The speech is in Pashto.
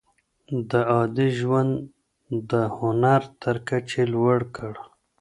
ده عادي ژوند د هنر تر کچې لوړ کړ.